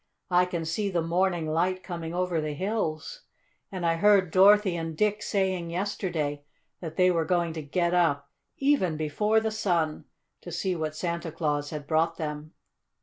"I can see the morning light coming over the hills. And I heard Dorothy and Dick saying yesterday that they were going to get up, even before the sun, to see what Santa Claus had brought them."